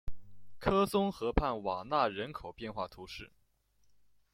科松河畔瓦讷人口变化图示